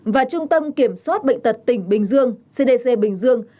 và trung tâm kiểm soát bệnh tật tỉnh bình dương cdc bình dương